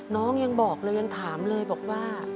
น้องยังบอกเลยยังถามเลยบอกว่า